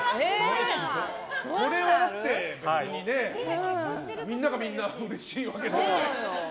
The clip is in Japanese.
これは普通にね、みんながみんなうれしいわけじゃないから。